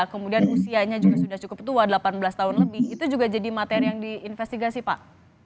kemudian usianya juga sudah cukup tua delapan belas tahun lebih itu juga jadi materi yang diinvestigasi pak